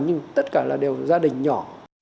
nhưng tất cả là đều gia đình nhỏ